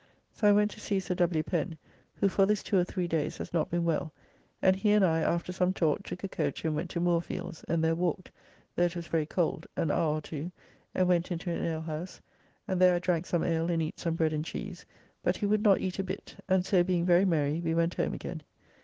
So I went to see Sir W. Pen, who for this two or three days has not been well, and he and I after some talk took a coach and went to Moorfields, and there walked, though it was very cold, an hour or two, and went into an alehouse, and there I drank some ale and eat some bread and cheese, but he would not eat a bit, and so being very merry we went home again.